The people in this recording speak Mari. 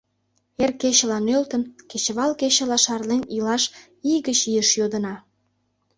Эр кечыла нӧлтын, кечывал кечыла шарлен илаш ий гыч ийыш йодына.